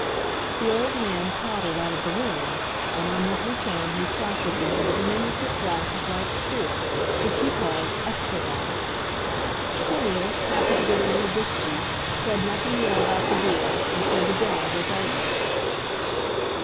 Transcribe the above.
The old man toddled out of the room, and on his return he proffered to him a diminutive glass of white spirit, which he called usquebaugh. Phineas, happy to get a little whisky, said nothing more about the beer, and so the dinner was over.